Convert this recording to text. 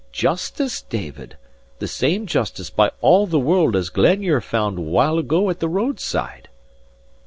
Justice, David? The same justice, by all the world, as Glenure found awhile ago at the roadside."